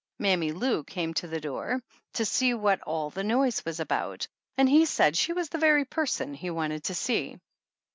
Mammy Lou^came to the door to see what all the noise was about, and he said she was the very person he wanted to see.